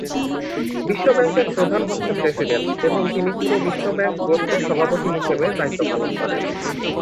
বিশ্ব ব্যাংকের প্রধান হচ্ছে প্রেসিডেন্ট এবং তিনি পুরো বিশ্ব ব্যাংক গোষ্ঠীর সভাপতি হিসেবে দায়িত্ব পালন করেন।